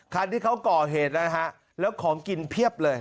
คันที่เขาก่อเหตุนะฮะแล้วของกินเพียบเลย